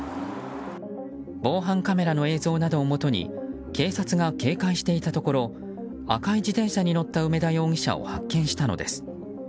防犯カメラの映像などをもとに警察が警戒していたところ赤い自動車に乗った梅田容疑者を発見したのです。